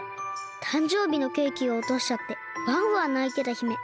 たんじょうびのケーキをおとしちゃってわんわんないてた姫。